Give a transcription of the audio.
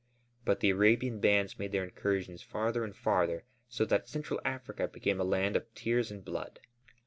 But the Arabian bands made their incursions farther and farther so that Central Africa became a land of tears and blood.